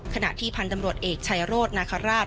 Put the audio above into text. ขณะที่พันธุ์ตำรวจเอกชัยโรธนาคาราช